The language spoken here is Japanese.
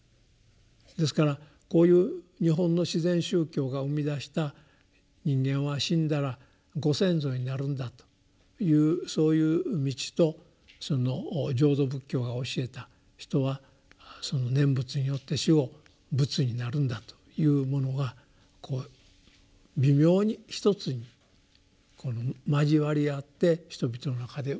ですからこういう日本の自然宗教が生み出した人間は死んだらご先祖になるんだというそういう道と浄土仏教が教えた「人はその念仏によって死後仏になるんだ」というものが微妙に一つにまじわり合って人々の中で受け止められてきていると。